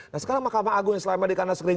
nah sekarang mahkamah agung yang selama dikandalkan